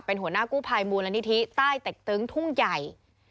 เป็นหัวหน้ากู้ภัยมูลนิธิใต้เต็กตึงทุ่งใหญ่